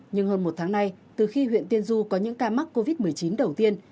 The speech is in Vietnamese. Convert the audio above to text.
nhưng hơn một tháng nay từ khi huyện tiên du có những ca mắc covid một mươi chín đầu tiên